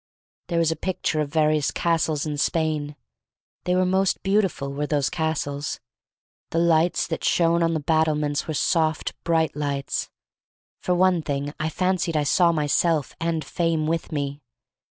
There was a picture of various castles in Spain. They were most beautiful, were those castles. The lights that shone on the battlements were soft, bright lights. For one thing, I fancied I saw myself and Fame with me.